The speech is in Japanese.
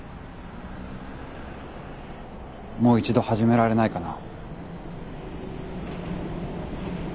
もう一度始められないかな。